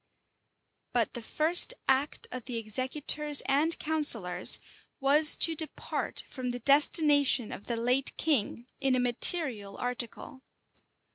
But the first act of the executors and counsellors was to depart from the destination of the late king in a material article.